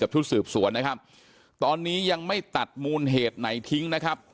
ชุดสืบสวนนะครับตอนนี้ยังไม่ตัดมูลเหตุไหนทิ้งนะครับ